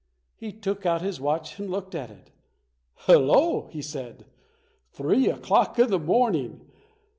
He took out his watch and looked at it. "Hello!" he said, "Three o'clock in the morn ing!